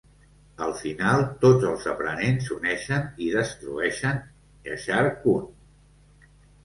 Al final, tots els aprenents s'uneixen i destrueixen Exar Kun.